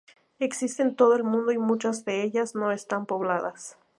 Existen en todo el mundo y muchas de ellas no están pobladas.